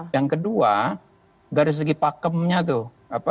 yang kedua dari segi pakemnya tuh